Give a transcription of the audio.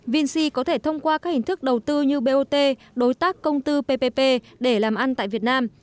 vinsi có thể thông qua các hình thức đầu tư như bot đối tác công tư ppp để làm ăn tại việt nam